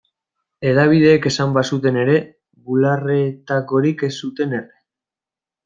Hedabideek esan bazuten ere, bularretakorik ez zuten erre.